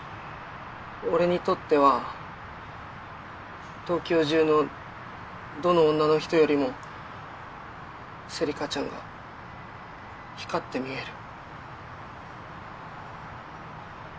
俺にとっては東京中のどの女の人よりも芹香ちゃんが光って見える。